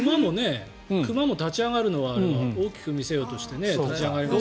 熊も立ち上がるのはあれは大きく見せようとして立ち上がりますよね。